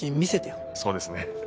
そうですね。